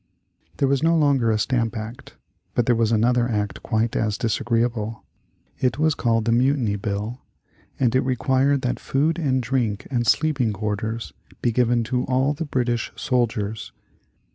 There was no longer a stamp act, but there was another act quite as disagreeable. It was called the Mutiny Bill, and it required that food and drink and sleeping quarters be given to all the British soldiers.